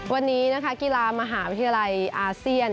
วันนี้นะคะกีฬามหาวิทยาลัยอาเซียน